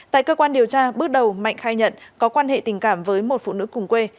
tại cơ quan điều tra bước đầu mạnh khai nhận có quan hệ tình cảm với một phụ nữ cùng quê